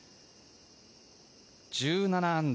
−１７。